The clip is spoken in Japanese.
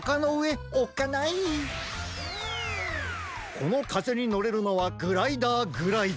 このかぜにのれるのはグライダーぐらいだ。